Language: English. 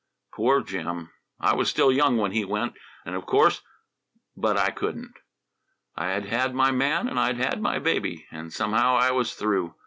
Poor Jim! I was still young when he went, and of course but I couldn't. I'd had my man and I'd had my baby, and somehow I was through.